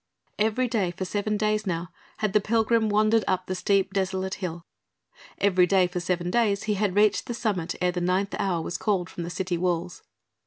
Every day for seven days now had the pilgrim wandered up the steep desolate hill. Every day for seven days he had reached the summit ere the ninth hour was called from the city walls.